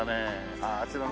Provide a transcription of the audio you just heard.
あああちらの。